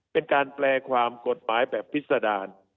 เป็นการเปลี่ยนความกฎหมายแบบพิสดาล